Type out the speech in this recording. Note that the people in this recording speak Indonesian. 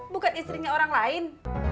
bukan istrinya orang lain